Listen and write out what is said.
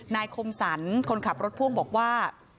คมสรรคนขับรถพ่วงบอกว่า